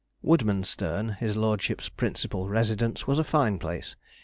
Woodmansterne, his lordship's principal residence, was a fine place.